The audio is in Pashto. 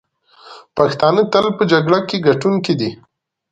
پښتانه تل په جګړه کې ګټونکي دي.